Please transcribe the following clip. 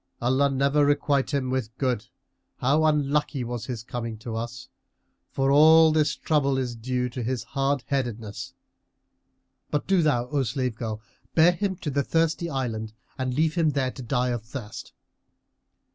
Allah never requite him with good! How unlucky was his coming to us; for all this trouble is due to his hard headedness! But do thou, O slave girl, bear him to the Thirsty Island and leave him there to die of thirst."